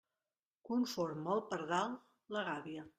Conforme el pardal, la gàbia.